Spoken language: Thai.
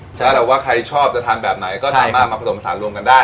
แล้วว่าใครชอบจะทานแบบไหนก็สามารถมาผสมสารรวมกันได้